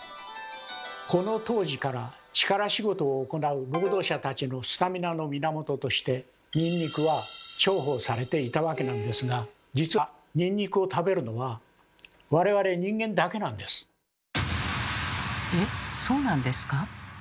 この当時から力仕事を行う労働者たちのスタミナの源としてニンニクは重宝されていたわけなんですがじつはえっそうなんですか？